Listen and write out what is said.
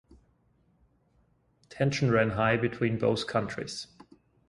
Tension ran high between both countries.